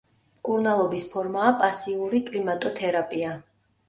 მკურნალობის ფორმაა პასიური კლიმატოთერაპია.